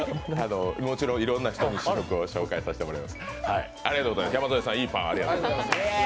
もちろんいろんな人に試食を紹介させてもらいます。